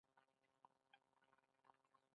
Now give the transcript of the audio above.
ځنګلونه د افغان کورنیو د دودونو مهم عنصر دی.